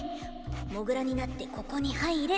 モグラになってここに入れ！